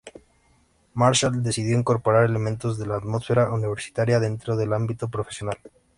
Marshall decidió incorporar elementos de la atmósfera universitaria dentro del ámbito profesional.